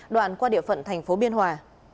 đoạn qua địa phận tp biên hòa